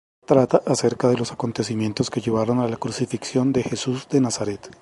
Trata acerca de los acontecimientos que llevaron a la crucifixión de Jesús de Nazaret.